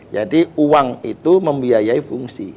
jadi uang itu membiayai fungsi